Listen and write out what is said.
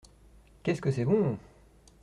Qu’est-ce que c’est bon !